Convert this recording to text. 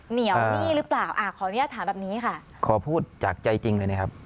เหนียวหนี้หรือเปล่าอ่าขออนุญาตถามแบบนี้ค่ะขอพูดจากใจจริงเลยนะครับ